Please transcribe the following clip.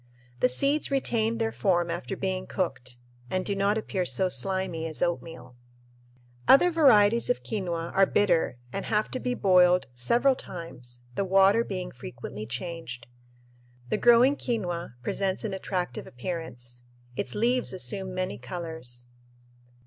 The seeds retain their form after being cooked and "do not appear so slimy as oatmeal." Other varieties of quinoa are bitter and have to be boiled several times, the water being frequently changed. The growing quinoa presents an attractive appearance; its leaves assume many colors.